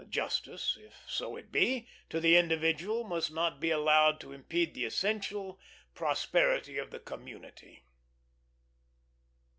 The injustice, if so it be, to the individual must not be allowed to impede the essential prosperity of the community.